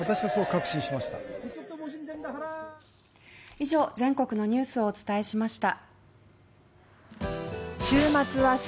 以上、全国のニュースをお伝えしました。